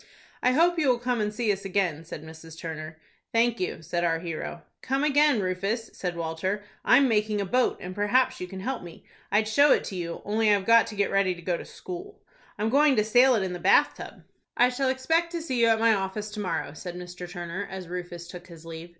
"I hope you will come and see us again," said Mrs. Turner. "Thank you," said our hero. "Come again, Rufus," said Walter; "I'm making a boat, and perhaps you can help me. I'd show it to you, only I've got to get ready to go to school. I'm going to sail it in the bath tub." "I shall expect to see you at my office, to morrow," said Mr. Turner, as Rufus took his leave.